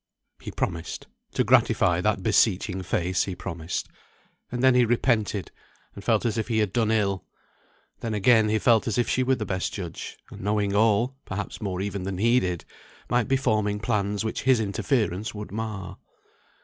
He promised; to gratify that beseeching face he promised. And then he repented, and felt as if he had done ill. Then again he felt as if she were the best judge, and knowing all (perhaps more than even he did) might be forming plans which his interference would mar.